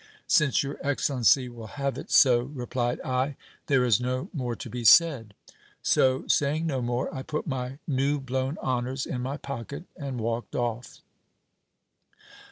Since your excellency will have it so, replied I, there is no more to be said. So, say ing no more, I put my new blown honours in my pocket, and walked off.